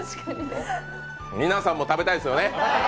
皆さんも食べたいですよね？